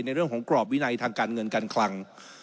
เรื่องของกรอบวินัยทางการเงินการคลัง